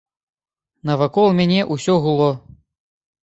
Навакол мяне ўсё гуло.